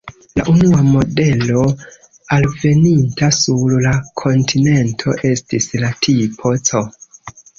La unua modelo alveninta sur la kontinento estis la "Tipo C".